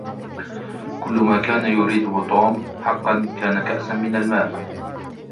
كل ما كان يريده توم حقاً كان كأساً من الماء.